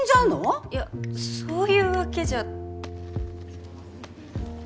いやそういうわけじゃ。